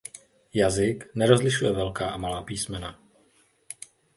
Jazyk nerozlišuje velká a malá písmena.